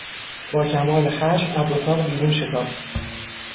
با کمال خشم از اتاق بیرون شتافت.